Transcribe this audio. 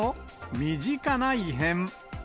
身近な異変。